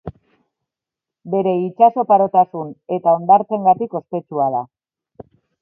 Bere itsas oparotasun eta hondartzengatik ospetsua da.